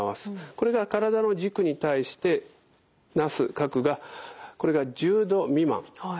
これが体の軸に対してなす角がこれが１０度未満。